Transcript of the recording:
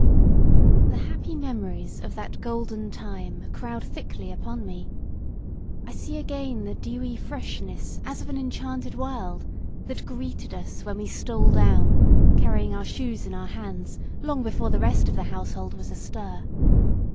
The happy memories of that golden time crowd thickly upon me. I see again the dewy freshness as of an enchanted world, that greeted us when we stole down, carrying our shoes in our hands long before the rest of the household was astir.